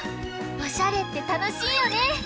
おしゃれってたのしいよね！